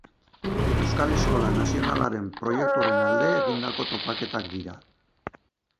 Euskal Eskola Nazionalaren proiektuaren alde egindako topaketak dira.